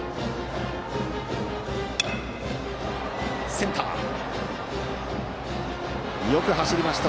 センター、よく走りました。